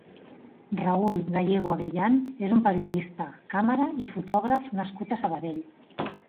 Raül Gallego Abellán és un periodista, càmera i fotògraf nascut a Sabadell.